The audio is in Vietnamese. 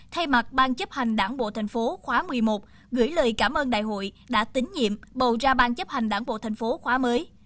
thay mặt ban chấp hành đảng bộ tp khóa một mươi một gửi lời cảm ơn đại hội đã tín nhiệm bầu ra ban chấp hành đảng bộ thành phố khóa mới